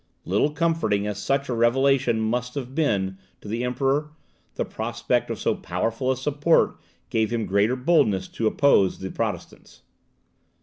Little comforting as such a revelation must have been to the Emperor, the prospect of so powerful a support gave him greater boldness to oppose the Protestants.